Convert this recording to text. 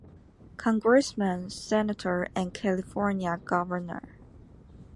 Congressman, Senator and California governor.